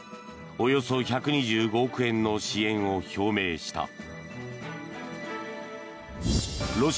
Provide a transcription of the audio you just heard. およそ１２５億円の支援を表明した。